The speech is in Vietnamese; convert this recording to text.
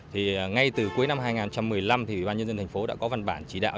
thì ngay từ cuối năm hai nghìn một mươi năm thì ủy ban nhân dân thành phố đã có văn bản chỉ đạo